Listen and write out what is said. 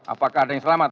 apakah ada yang selamat